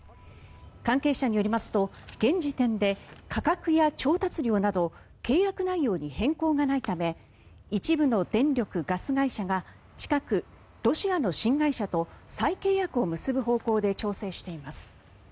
関係者によりますと現時点で価格や調達量など契約内容に変更がないため一部の電力・ガス会社が近く、ロシアの新会社と再契約を結ぶ方向で調整しています。